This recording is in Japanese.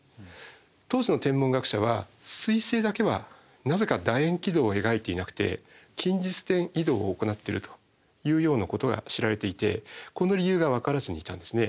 当時の天文学者は水星だけはなぜかだ円軌道を描いていなくて近日点移動を行ってるというようなことが知られていてこの理由がわからずにいたんですね。